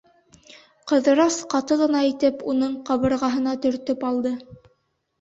Ҡыҙырас ҡаты ғына итеп уның ҡабырғаһына төртөп алды: